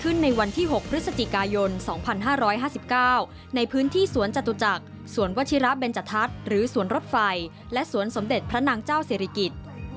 ในวันที่๖พฤศจิกายน๒๕๕๙ในพื้นที่สวนจตุจักรสวนวชิระเบนจทัศน์หรือสวนรถไฟและสวนสมเด็จพระนางเจ้าศิริกิจ